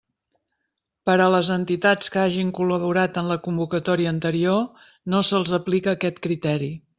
Per a les entitats que hagin col·laborat en la convocatòria anterior, no se'ls aplica aquest criteri.